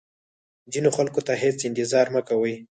ځینو خلکو ته هیڅ انتظار مه کوئ.